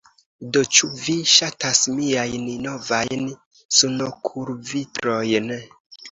Do, ĉu vi ŝatas miajn novajn sunokulvitrojn